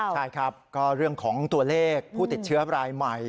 ใช่ครับก็เรื่องของตัวเลขผู้ติดเชื้อรายใหม่